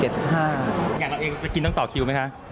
อย่างเราเองจะกินต้องต่อคิวไหมคะ